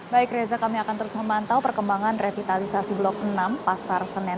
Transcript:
baik reza kami akan terus memantau perkembangan revitalisasi blok enam pasar senen